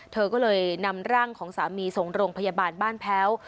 เธอก็เลยนำร่างของสามีส่งโรงพยาบาลบ้านแพ้ว